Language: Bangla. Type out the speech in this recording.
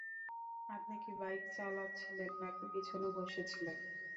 আপনি কি বাইক চালাচ্ছিলেন নাকি পিছনে বসে ছিলেন?